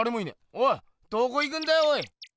おいどこ行くんだよおい。